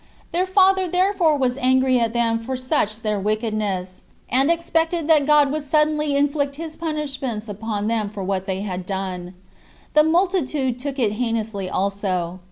Their father therefore was angry at them for such their wickedness, and expected that God would suddenly inflict his punishments upon them for what they had done. The multitude took it heinously also.